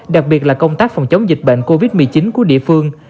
đặc biệt là công tác phòng chống dịch bệnh covid một mươi chín của địa phương